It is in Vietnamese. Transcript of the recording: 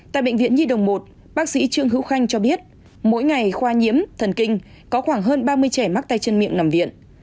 tại bệnh viện nhi đồng một bác sĩ trương hữu khanh cho biết mỗi ngày khoa nhiễm thần kinh có khoảng hơn ba mươi trẻ mắc tay chân miệng nằm viện